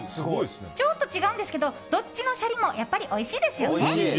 ちょっと違うんですけどどっちのシャリもやっぱりおいしいですよね。